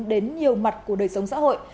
đến nhiều mặt của đời sống xã hội